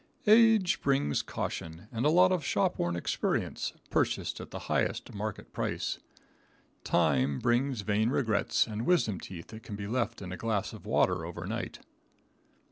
Age brings caution and a lot of shop worn experience, purchased at the highest market price. Time brings vain regrets and wisdom teeth that can be left in a glass of water over night.